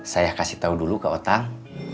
saya kasih tahu dulu ke otang